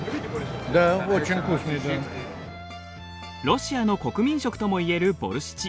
ロシアの国民食ともいえるボルシチ。